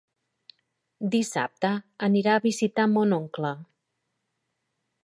Dissabte anirà a visitar mon oncle.